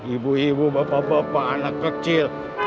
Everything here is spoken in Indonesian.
ibu ibu bapak bapak anak kecil